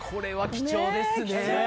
貴重ですよ！